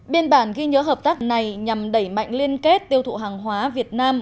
biên bản ghi nhớ hợp tác này nhằm đẩy mạnh liên kết tiêu thụ hàng hóa việt nam